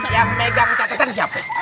yang megang catatan siapa